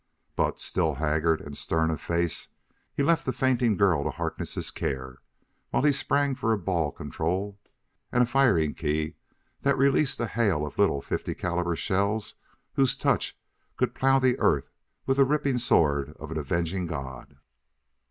But, still haggard and stern of face, he left the fainting girl to Harkness' care while he sprang for a ball control and a firing key that released a hail of little .50 caliber shells whose touch could plough the earth with the ripping sword of an avenging god.